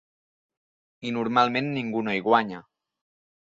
I normalment ningú no hi guanya.